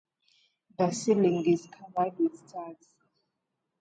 The ceiling is also covered with stars.